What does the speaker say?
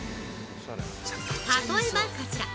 例えば、こちら！